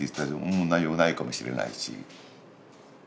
うん内容ないかもしれないし。